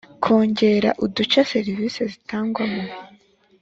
kongera uduce serivisi zitangwamo